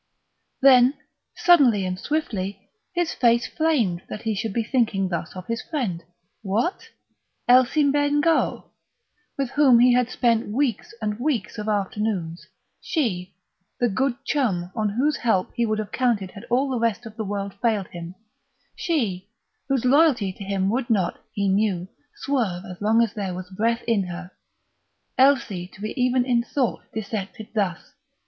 Then, suddenly and swiftly, his face flamed that he should be thinking thus of his friend. What! Elsie Bengough, with whom he had spent weeks and weeks of afternoons she, the good chum, on whose help he would have counted had all the rest of the world failed him she, whose loyalty to him would not, he knew, swerve as long as there was breath in her Elsie to be even in thought dissected thus!